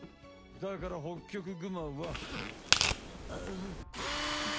だからホッキョクグマは。